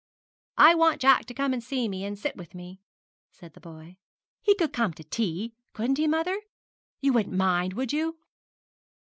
'I want Jack to come and see me, and sit with me,' said the boy; 'he could come to tea couldn't he, mother? You wouldn't mind, would you?'